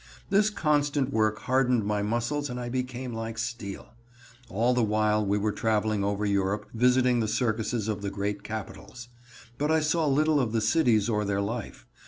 This constant work hardened my muscles and I became like steel. All the while we were traveling over Europe, visiting the circuses of the great capitals. But I saw little of the cities or their life.